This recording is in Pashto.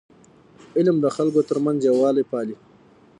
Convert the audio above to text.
علم د خلکو ترمنځ یووالی پالي.